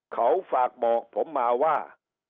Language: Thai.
เขาฝากบอกผมมาว่า